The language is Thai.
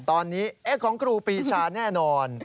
ตอนนี้ของครูปีชาแน่นอน